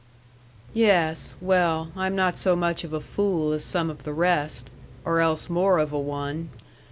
"Yes well, I'm not so much of a fool as some of the rest or else more of a one.